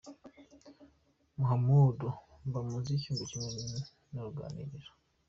Muhamud: Mba mu nzu y’icyumba kimwe n’uruganiriro.